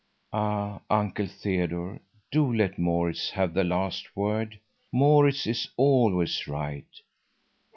"Ah, Uncle Theodore, do let Maurits have the last word. Maurits is always right.